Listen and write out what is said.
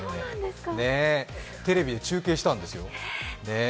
テレビで中継したんですよ。